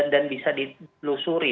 dan bisa disusuri